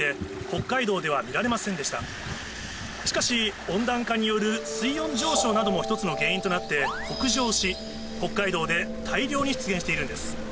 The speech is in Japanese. しかし温暖化による水温上昇なども１つの原因となって北上し北海道で大量に出現しているんです。